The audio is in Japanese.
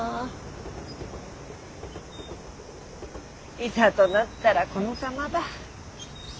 いざとなったらこのざまだ。